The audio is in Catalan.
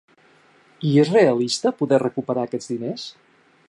I és realista, poder recuperar aquests diners?